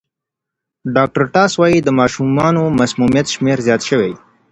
ډاکټر ټاس وايي د ماشومانو د مسمومیت شمېر زیات شوی.